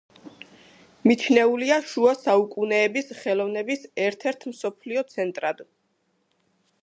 მიჩნეულია შუა საუკუნეების ხელოვნების ერთ-ერთ მსოფლიო ცენტრად.